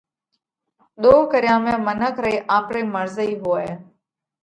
ۮوه ڪريا ۾ منک رئِي آپرئِي مرضئِي هوئه۔